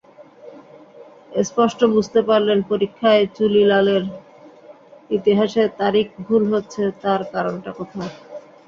স্পষ্ট বুঝতে পারলেন, পরীক্ষায় চুনিলালের ইতিহাসে তারিখ ভুল হচ্ছে তার কারণটা কোথায়।